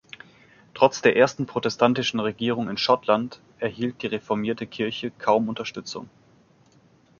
Trotz der ersten protestantischen Regierung in Schottland erhielt die reformierte Kirche kaum Unterstützung.